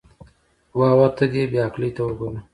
واه واه، ته دې بې عقلۍ ته وګوره.